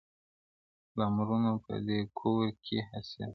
له عمرونو په دې کور کي هستېدله -